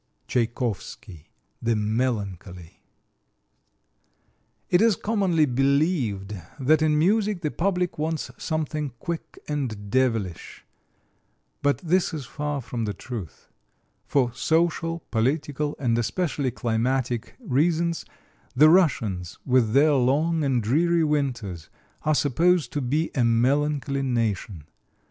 [Illustration: MUSIC AMONG THE LOWLY] Tchaikovsky, the Melancholy It is commonly believed that in music the public wants something "quick and devilish"; but this is far from the truth. For social, political, and especially climatic reasons, the Russians, with their long and dreary winters, are supposed to be a melancholy nation.